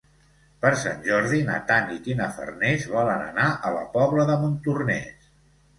Per Sant Jordi na Tanit i na Farners volen anar a la Pobla de Montornès.